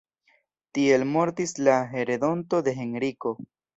Tiel mortis la heredonto de Henriko.